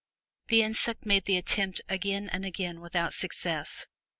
The insect made the attempt again and again without success.